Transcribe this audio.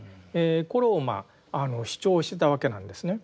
これを主張してたわけなんですね。